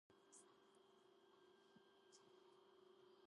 თავდაპირველად ცნობილი იყო ძირითადად ქავერ-ვერსიების შესრულებით.